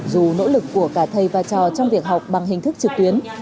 dù nỗ lực của cả thầy và trò trong việc học bằng hình thức trực tuyến